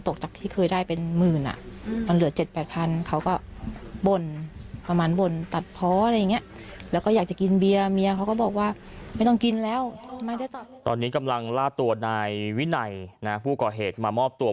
ตอนนี้กำลังล่าตัวนายวินัยนะผู้ก่อเหตุมามอบตัว